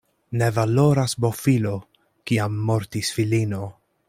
Ne valoras bofilo, kiam mortis filino.